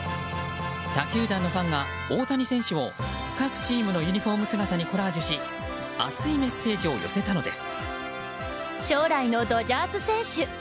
他球団のファンが大谷選手を各チームのユニホーム姿にコラージュし熱いメッセージを寄せたのです。